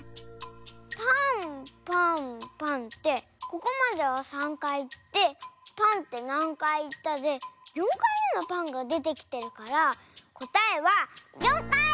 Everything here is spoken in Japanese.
ここまでは３かいいって「パンってなんかいいった？」で４かいめのパンがでてきてるからこたえは４かい！